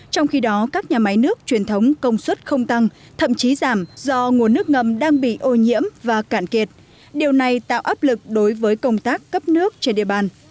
trong khi đó các nhà máy nước truyền thống công suất không tăng thậm chí giảm do nguồn nước ngầm đang bị ô nhiễm và cạn kiệt điều này tạo áp lực đối với công tác cấp nước trên địa bàn